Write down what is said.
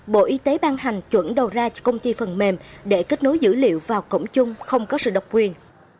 bộ y tế ban hành chuẩn đầu ra cho công ty phần mềm để kết nối dữ liệu vào cổng chung không có sự độc quyền